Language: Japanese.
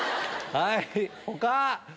はい！